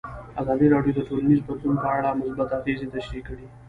ازادي راډیو د ټولنیز بدلون په اړه مثبت اغېزې تشریح کړي.